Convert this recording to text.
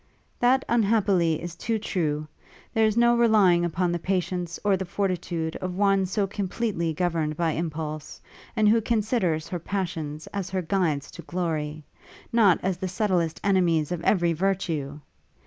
'That unhappily, is but too true! There is no relying upon the patience, or the fortitude, of one so completely governed by impulse; and who considers her passions as her guides to glory, not as the subtlest enemies of every virtue!